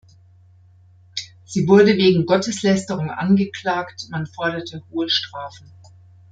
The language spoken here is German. Sie wurde wegen Gotteslästerung angeklagt, man forderte hohe Strafen.